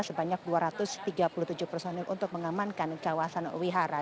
sebanyak dua ratus tiga puluh tujuh personil untuk mengamankan kawasan wihara